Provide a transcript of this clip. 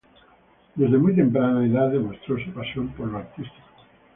Desde muy temprana edad demostró su pasión por lo artístico.